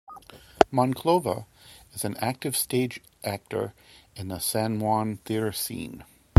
Monclova is an active stage actor in the San Juan theater scene.